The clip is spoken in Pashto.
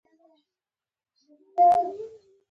له رامنځته شوې ناسم تفاهم څخه بخښنه غواړم.